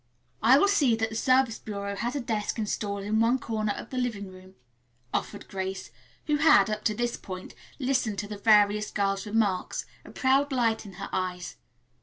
"I will see that the Service Bureau has a desk installed in one corner of the living room," offered Grace, who had, up to this point, listened to the various girls' remarks, a proud light in her eyes.